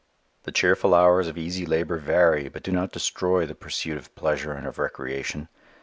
The cheerful hours of easy labor vary but do not destroy the pursuit of pleasure and of recreation.